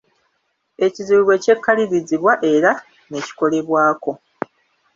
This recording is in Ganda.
Ekizibu bwe kyekalirizibwa era ne kikolebwako.